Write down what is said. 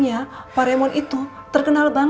namun sekarang miniboxastic ini menyem thinking disana